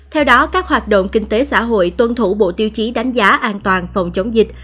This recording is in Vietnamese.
theo đó các hoạt động kinh tế xã hội tuân thủ bộ tiêu chí đánh giá an toàn phòng chống dịch